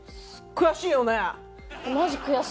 悔しいよね。